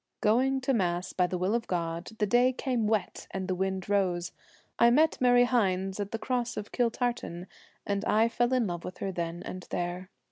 'Going to Mass by the will of God, The day came wet and the wind rose; 38 I met Mary Hynes at the cross of Kiltartan, And I fell in love with her then and there.